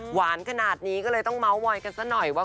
หวานขนาดนี้ก็เลยต้องเมาส์มอยกันซะหน่อยว่า